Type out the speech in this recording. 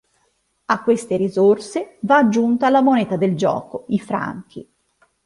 A queste risorse va aggiunta la moneta del gioco, i franchi.